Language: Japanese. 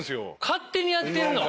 勝手にやってんの？